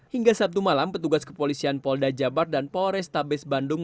hingga sabtu malam petugas kepolisian polda jabar dan polrestabes bandung